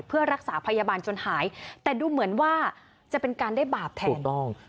เพื่อรักษาพยาบาลจนหายแต่ดูเหมือนว่าจะเป็นการได้บาปแทนถูกต้อง